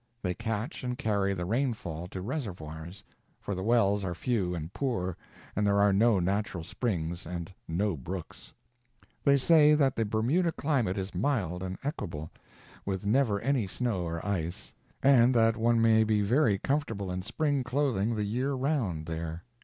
They catch and carry the rainfall to reservoirs; for the wells are few and poor, and there are no natural springs and no brooks. They say that the Bermuda climate is mild and equable, with never any snow or ice, and that one may be very comfortable in spring clothing the year round, there.